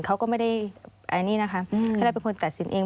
เขาก็ไม่ได้ให้เราเป็นคนตัดสินเอง